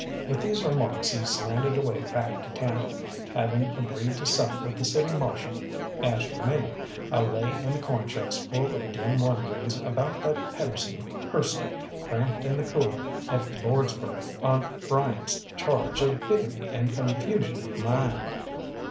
With these remarks he slanted away back to town, having agreed to sup with the City Marshal. As for me, I lay in the corn shucks full of dim wonderings about that Pedersen person cramped in the cooler at Lordsburg on Bryant's charge of "bigamy and confusion of mind."